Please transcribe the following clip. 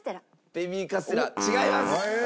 ベビーカステラ違います。